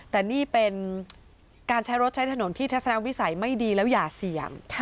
แต่นี่เป็นการใช้รถใช้ถนนที่ทัศนวิสัยไม่ดีแล้วอย่าเสี่ยง